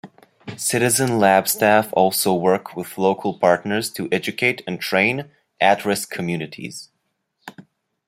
Citizen Lab staff also work with local partners to educate and train at-risk communities.